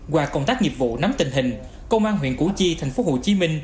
qua công tác nghiệp vụ nắm tình hình công an huyện củ chi tp hcm